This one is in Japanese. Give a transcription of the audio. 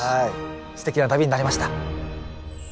すてきな旅になりました。